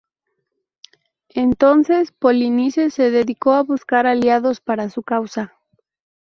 Entonces Polinices se dedicó a buscar aliados para su causa.